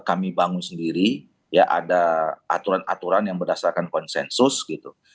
kami bangun sendiri ya ada aturan aturan yang berdasarkan konsensus gitu